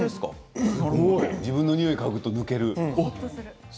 自分の匂いを嗅ぐと抜ける。